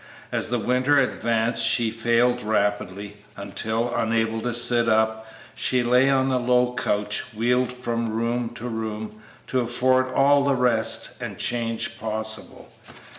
As the winter advanced she failed rapidly, until, unable to sit up, she lay on a low couch, wheeled from room to room to afford all the rest and change possible.